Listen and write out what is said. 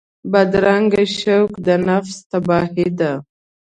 بدرنګه شوق د نفس تباهي ده